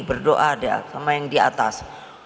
berdoa sama yang di atas